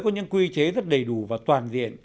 có những quy chế rất đầy đủ và toàn diện